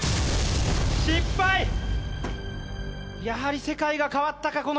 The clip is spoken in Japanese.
やはり世界が変わったか